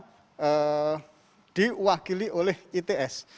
ini adalah tim robot yang diwakili oleh its